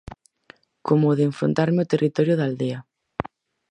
Como o de enfrontarme ao territorio da aldea.